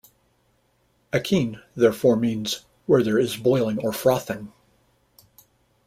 Akean therefore means "where there is boiling or frothing".